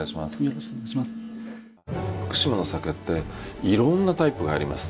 福島のお酒っていろんなタイプがあります。